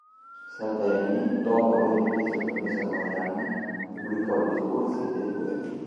Salvemini, dopo averne chiesto il permesso a Colajanni, pubblicò i discorsi dei due.